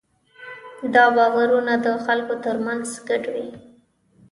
دا باورونه د خلکو ترمنځ ګډ وي.